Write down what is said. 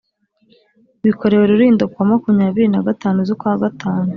Bikorewe Rulindo kuwa makumyabiri na gatanu zukwagatanu